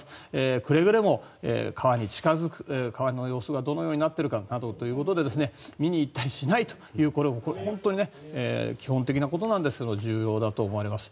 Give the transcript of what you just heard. くれぐれも川に近付く川の様子がどのようになっているかなど見に行ったりしないというこれ、本当に基本的なことなんですが重要だと思われます。